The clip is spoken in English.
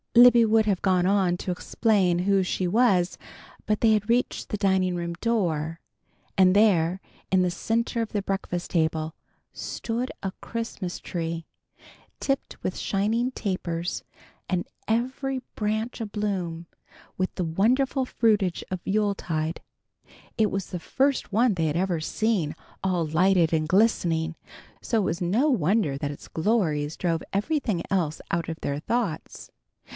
Libby would have gone on to explain who she was, but they had reached the dining room door, and there in the center of the breakfast table stood a Christmas tree, tipped with shining tapers and every branch a bloom with the wonderful fruitage of Yuletide. It was the first one they had ever seen, all lighted and glistening, so it is no wonder that its glories drove everything else out of their thoughts.